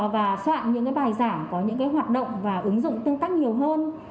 và soạn những bài giảng có những hoạt động và ứng dụng tương tác nhiều hơn